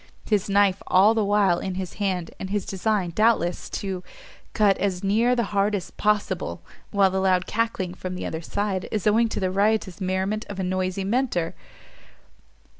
his knife all the while in his hand, and his design, doubtless, to cut as near the heart as possible! while the loud cackling from the other side is owing to the riotous merriment of a noisy Mentor!